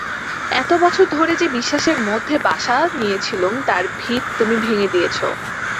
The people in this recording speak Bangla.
এত বছর ধরে যে-বিশ্বাসের মধ্যে বাসা নিয়েছিলুম তার ভিত তুমি ভেঙে দিয়েছ।